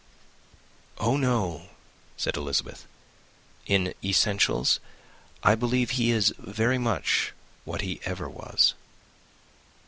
"Oh, no!" said Elizabeth. "In essentials, I believe, he is very much what he ever was."